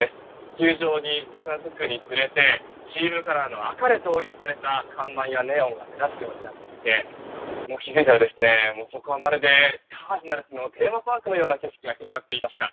球場に近づくにつれてチームカラーの赤で統一された看板やネオンが目立つようになってきて気づいたらそこはまるでカージナルスのテーマパークのような景色が広がっていました。